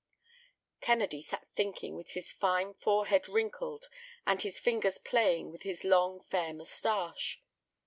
Kennedy sat thinking with his fine forehead wrinkled and his fingers playing with his long, fair moustache.